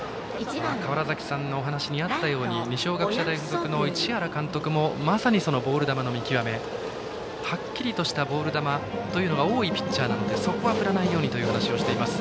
川原崎さんのお話にあったように二松学舎大付属の市原監督もまさにボール球の見極めはっきりしたボール球が多いピッチャーなのでそこは振らないようにという話をしています。